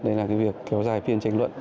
đó là cái việc kéo dài phiên tranh luật